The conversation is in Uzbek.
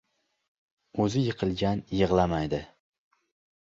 • O‘zi yiqilgan yig‘lamaydi.